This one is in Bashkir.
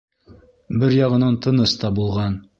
Бер яғынан тыныс та булған.